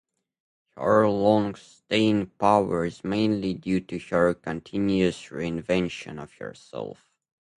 Her long staying power is mainly due to her continuous re-invention of herself.